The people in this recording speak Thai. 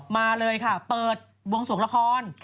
มาเลยค่ะเปิดวงสวงละคร